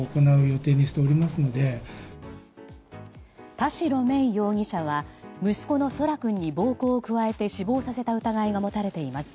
田代芽衣容疑者は息子の空来君に暴行を加えて、死亡させた疑いが持たれています。